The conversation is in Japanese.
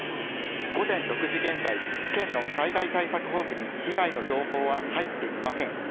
午前６時現在、県の災害対策本部に被害の情報は入っていません。